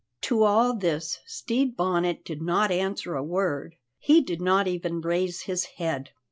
To all this Stede Bonnet did not answer a word; he did not even raise his head.